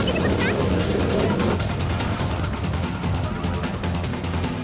terus kayak gimana ck